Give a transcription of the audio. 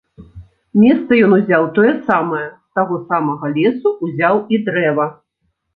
Месца ён узяў тое самае, з таго самага лесу ўзяў і дрэва.